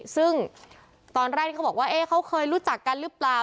ซึ่งตอนแรกที่เขาบอกว่าเขาเคยรู้จักกันหรือเปล่า